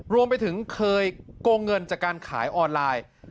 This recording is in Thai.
รวมไปถึงเคยโกงเงินจากการขายออนไลน์